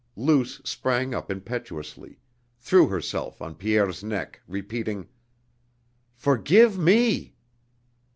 Luce sprang up impetuously, threw herself on Pierre's neck, repeating: "Forgive me!"